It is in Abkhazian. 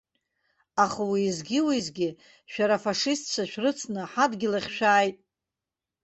Аха уиазгьы-уиазгьы шәара афашистцәа шәрыцны ҳадгьыл ахь шәааит?